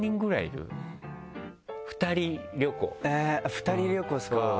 ２人旅行ですか？